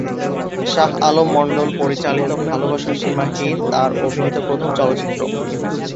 শাহ আলম মন্ডল পরিচালিত "ভালোবাসা সীমাহীন" তার অভিনীত প্রথম চলচ্চিত্র।